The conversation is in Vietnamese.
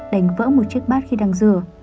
đánh vỡ một chiếc bát khi đang rửa